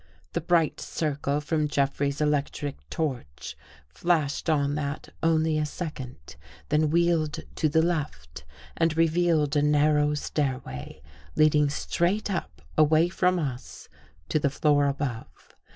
The bright circle from Jeffrey's electric torch flashed on that only a second, then wheeled to the left and revealed a narrow stairway leading straight up away from us to the floor above.